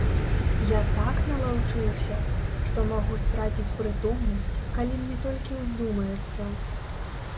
Я так налаўчыўся, што магу страціць прытомнасць, калі мне толькі ўздумаецца.